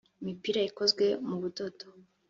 imipira ikozwe mu budodo